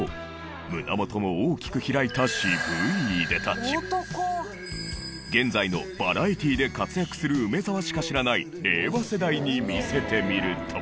胸元も大きく開いた現在のバラエティーで活躍する梅沢しか知らない令和世代に見せてみると。